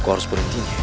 gua harus berhenti nih